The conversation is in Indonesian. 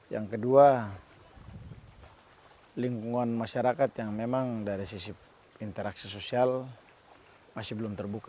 yang kedua lingkungan masyarakat yang memang dari sisi interaksi sosial masih belum terbuka